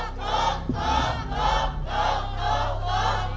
ถูกถูกถูกถูก